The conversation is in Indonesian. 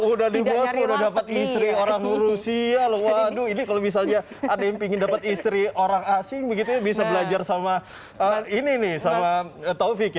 udah di bosko udah dapat istri orang rusia loh waduh ini kalau misalnya ada yang ingin dapat istri orang asing begitu ya bisa belajar sama ini nih sama taufik ya